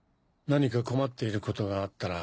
何か困っていることがあったら。